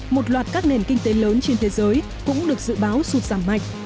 một loạt các nền kinh tế lớn trên thế giới cũng được dự báo sụt giảm mạnh